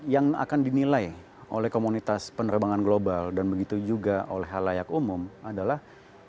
yang akan dinilai oleh komunitas penerbangan global dan begitu juga oleh halayak umum adalah